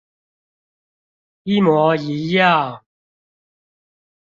一模一樣